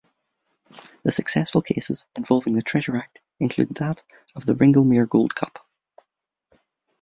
Successful cases involving the Treasure Act include that of the Ringlemere gold cup.